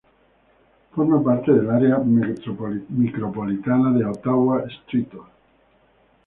Forma parte del área micropolitana de Ottawa–Streator.